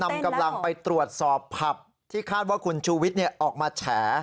นำกำลังไปตรวจสอบผับที่คาดว่าคุณชูวิทย์ออกมาแฉ